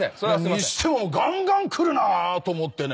にしてもがんがん来るなと思ってね。